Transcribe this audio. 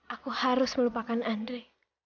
aku harus melupakan andre